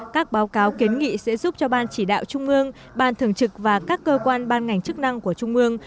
các báo cáo kiến nghị sẽ giúp cho ban chỉ đạo trung ương ban thường trực và các cơ quan ban ngành chức năng của trung ương